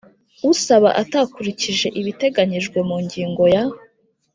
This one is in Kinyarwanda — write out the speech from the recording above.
Usaba atakurikije ibiteganyijwe mu ngingo ya